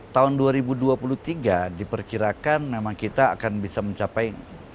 tahun dua ribu dua puluh tiga diperkirakan memang kita akan bisa mencapai